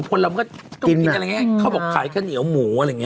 คนเรามันก็ต้องกินอะไรอย่างนี้เขาบอกขายข้าวเหนียวหมูอะไรอย่างนี้